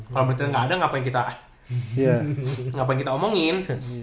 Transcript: kalo menitnya gak ada ngapain kita omongin